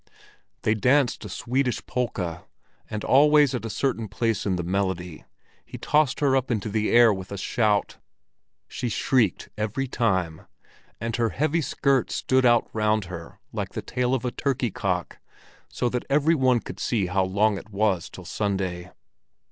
They danced a Swedish polka, and always at a certain place in the melody, he tossed her up into the air with a shout. She shrieked every time, and her heavy skirts stood out round her like the tail of a turkey cock, so that every one could see how long it was till Sunday.